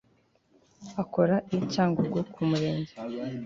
akora i cyangugu ku murenge